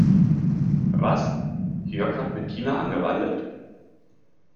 Was, Jörg hat mit Tina angebandelt?